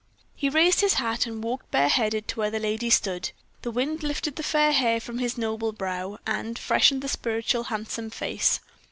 He raised his hat and walked bare headed to where the lady stood. The wind lifted the fair hair from his noble brow, and freshened the spiritual handsome face.